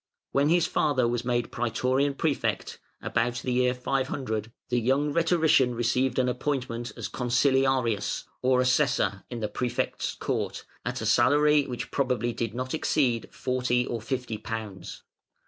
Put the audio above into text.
When his father was made Prætorian Prefect (about the year 500), the young rhetorician received an appointment as Consiliarius, or Assessor in the Prefect's court, at a salary which probably did not exceed forty or fifty pounds.